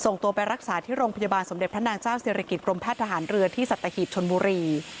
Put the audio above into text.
ส่งตัวไปรักษาที่โรงพยาบาลสมเด็จพระนางเจ้าศิริกิจกรมแพทย์ทหารเรือที่สัตหีบชนบุรี